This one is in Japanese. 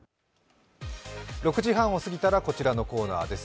６時半を過ぎたら、こちらのコーナーです。